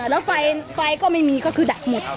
แล้วไฟก็ไม่มีก็คือดักหมด